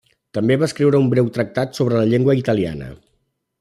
També va escriure un breu tractat sobre la llengua italiana.